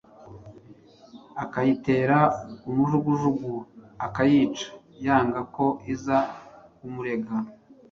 akayitera umujugujugu akayica yanga ko iza kumurega